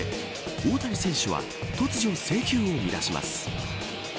大谷選手は突如制球を乱します。